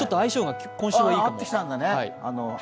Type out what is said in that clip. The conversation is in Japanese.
波長が合ってきたんだね。